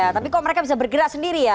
tapi kok mereka bisa bergerak sendiri ya